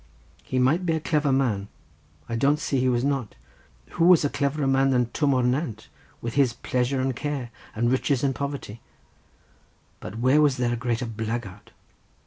He might be a clever man, I don't say he was not. Who was a cleverer man than Twm o'r Nant with his Pleasure and Care, and Riches and Poverty, but where was there a greater blackguard?